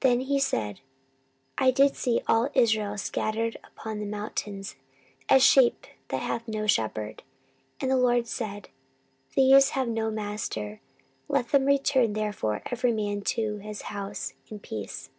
14:018:016 Then he said, I did see all Israel scattered upon the mountains, as sheep that have no shepherd: and the LORD said, These have no master; let them return therefore every man to his house in peace.